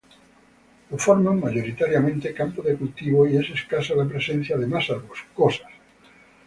Lo forman mayoritariamente campos de cultivo y es escasa la presencia de masas boscosas.